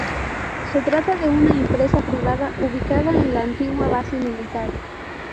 Se trata de una empresa privada ubicada en una antigua base militar.